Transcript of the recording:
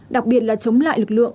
đặc biệt là chống lại lực lượng